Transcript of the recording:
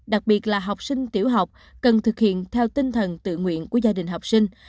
đặc biệt là học sinh tiểu học cần thực hiện theo tinh thần tự nguyện của gia đình học sinh